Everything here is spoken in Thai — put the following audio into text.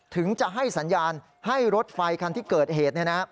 ถึงจะให้สัญญาณให้รถไฟคันที่เกิดเหตุ